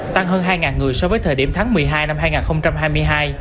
tăng hơn hai người so với thời điểm tháng một mươi hai năm hai nghìn hai mươi hai